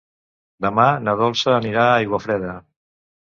Demà na Dolça anirà a Aiguafreda.